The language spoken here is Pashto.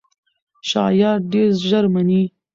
شایعات ډېر ژر مني.